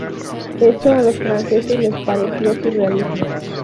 Esto a los franceses les pareció surrealismo.